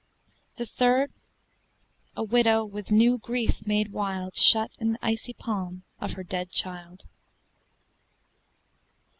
The third, a widow, with new grief made wild, Shut in the icy palm of her dead child.